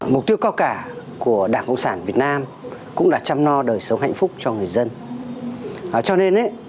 mục tiêu cao cả của đảng cộng sản việt nam cũng là chăm no đời sống hạnh phúc cho người dân cho nên